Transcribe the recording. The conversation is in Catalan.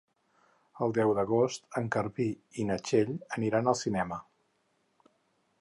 El deu d'agost en Garbí i na Txell aniran al cinema.